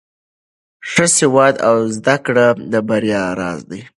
ښه سواد او زده کړه د بریا راز دی.